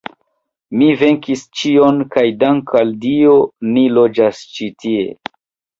Mi venkis ĉion, kaj dank' al Dio ni loĝas ĉi tie.